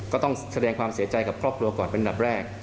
ก็ต้องแสดงความเสียใจกับครอบครัวก่อนเป็นอันดับแรก